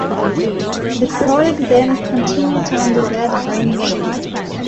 The product then continued under that brand name.